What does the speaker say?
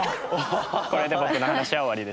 これで僕の話は終わりです。